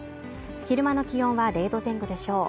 昼間の気温は０度前後でしょう